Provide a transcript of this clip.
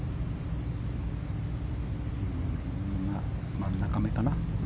真ん中めかな。